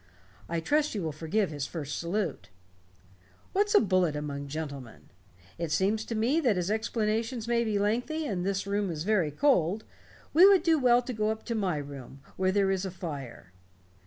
I trust you will forgive his first salute. What's a bullet among gentlemen? It seems to me that as explanations may be lengthy and this room is very cold, we would do well to go up to my room, where there is a fire."